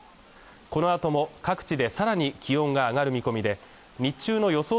このあとも各地でさらに気温が上がる見込みで日中の予想